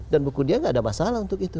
dan buku dia enggak ada masalah untuk itu